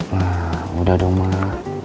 nah udah dong ma